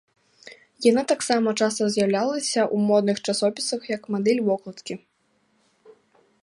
Яна таксама часта з'яўлялася ў модных часопісах як мадэль вокладкі.